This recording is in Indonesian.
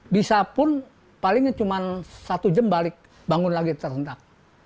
bisa pun palingnya cuma satu jam balik bangun lagi serentak